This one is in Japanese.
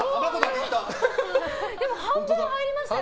半分、入りましたよ。